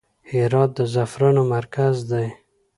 هرات د زعفرانو مرکز دی